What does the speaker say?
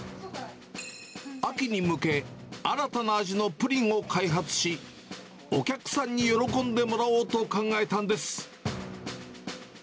秋に向け、新たな味のプリンを開発し、お客さんに喜んでもらおうと考えたんです。